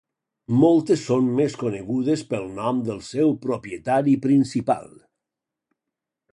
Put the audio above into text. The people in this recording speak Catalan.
Moltes són més conegudes pel nom del seu propietari principal.